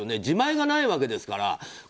自前がないわけですから。